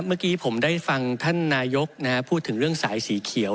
เมื่อกี้ผมได้ฟังท่านนายกพูดถึงเรื่องสายสีเขียว